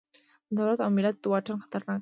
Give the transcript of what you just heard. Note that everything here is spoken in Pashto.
د دولت او ملت واټن خطرناک دی.